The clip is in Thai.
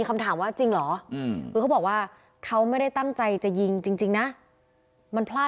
ผมไม่ได้ตั้งใจจะหยิงน้องเขา